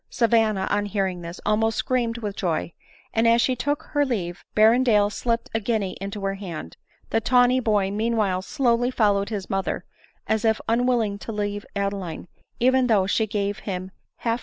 Savanna, on hearing this, almost screamed with joy, and as she took her leave Berrendale slipped a guinea into her hand ; the tawny boy meanwhile slowly followed his mother, as if unwilling to leave Adeline, even though she gave him half 174 ADELINE MOWBRAY.